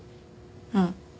うん。